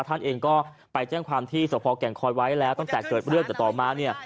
เห็นเขารังรุมกันอยู่แต่คุณปาทิกทำไมเนี่ย